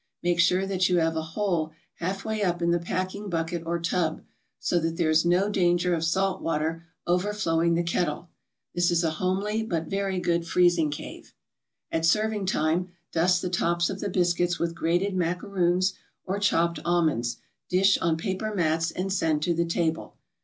Make sure that you have a hole half way up in the packing bucket or tub, so that there is no danger of salt water overflowing the kettle. This is a homely but very good freezing cave. At serving time, dust the tops of the biscuits with grated macaroons or chopped almonds, dish on paper mats, and send to the table.